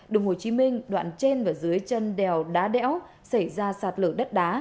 đường hồ chí minh đoạn trên và dưới chân đèo đá đẽo xảy ra sạt lở đất đá